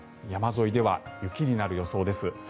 山沿いでは雪になる予想です。